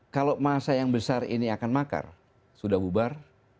kalau masa yang besar ini akan makar sudah bubar